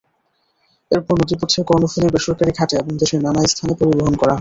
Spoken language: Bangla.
এরপর নদীপথে কর্ণফুলীর বেসরকারি ঘাটে এবং দেশের নানা স্থানে পরিবহন করা হয়।